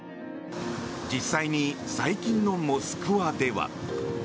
実際に最近のモスクワでは。